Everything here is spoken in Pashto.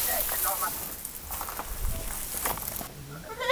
سکون مي ستا په غېږه کي شفا دي اننګو کي،